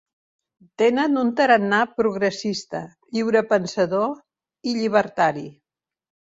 Tenen un tarannà progressista, lliurepensador i llibertari.